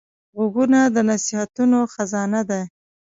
غوږونه د نصیحتونو خزانه ده